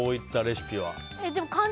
こういったレシピは。